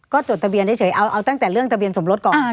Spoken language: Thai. ก็จดทะเบียนเฉยเอาตั้งแต่เรื่องทะเบียนสมรสก่อน